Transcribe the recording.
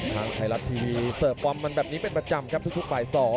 ทางไทยรัฐทีวีเสิร์ฟความมันแบบนี้เป็นประจำครับทุกบ่าย๒